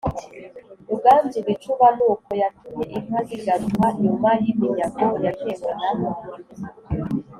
ruganzu bicuba ni uko yatumye inka zigaruka nyuma y’iminyago yatewe na